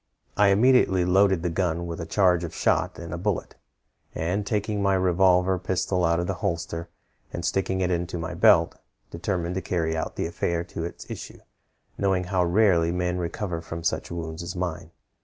"I immediately loaded the gun with a charge of shot and a bullet, and taking my revolver pistol out of the holster, and sticking it into my belt, determined to carry on the affair to its issue, knowing how rarely men recover from such wounds as mine.